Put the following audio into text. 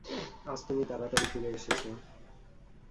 আজ তুমি তাড়াতাড়ি ফিরে এসেছো!